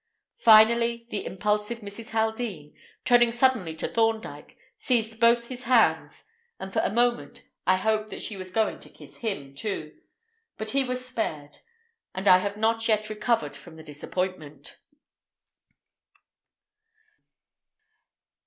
Finally, the impulsive Mrs. Haldean, turning suddenly to Thorndyke, seized both his hands, and for a moment I hoped that she was going to kiss him, too. But he was spared, and I have not yet recovered from the disappointment.